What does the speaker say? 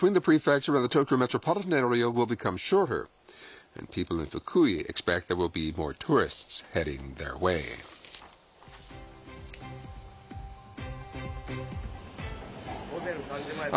午前３時前です。